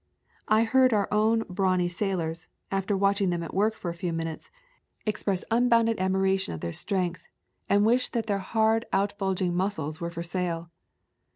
I heard our own brawny sailors, after watching them at work a few minutes, ex press unbounded admiration of their strength, [ 167 ] A Thousand Mile Walk and wish that their hard outbulging muscles were for sale.